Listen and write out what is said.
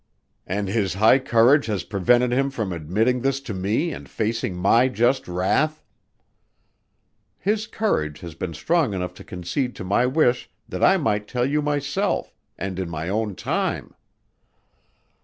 "And his high courage has prevented him from admitting this to me and facing my just wrath?" "His courage has been strong enough to concede to my wish that I might tell you myself, and in my own time."